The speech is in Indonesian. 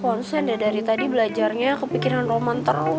gue gak konsen deh dari tadi belajarnya kepikiran roman terus